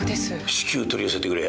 至急取り寄せてくれ。